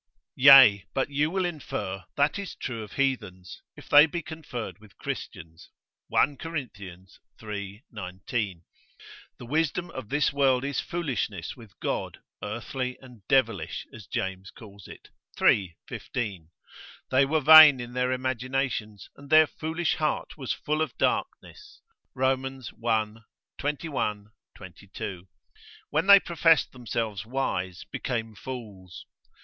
Yea, but you will infer, that is true of heathens, if they be conferred with Christians, 1 Cor. iii. 19. The wisdom of this world is foolishness with God, earthly and devilish, as James calls it, iii. 15. They were vain in their imaginations, and their foolish heart was full of darkness, Rom. i. 21, 22. When they professed themselves wise, became fools.